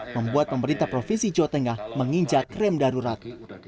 membuat pemerintah provinsi jawa tengah menginjak rem darurat